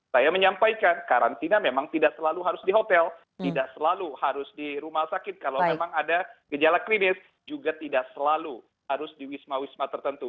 saya menyampaikan karantina memang tidak selalu harus di hotel tidak selalu harus di rumah sakit kalau memang ada gejala klinis juga tidak selalu harus di wisma wisma tertentu